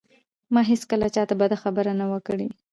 ما هېڅکله چاته بده خبره نه وه کړې